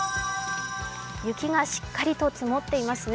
雪がしっかりと積もっていますね